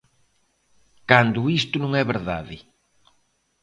Cando isto non é verdade.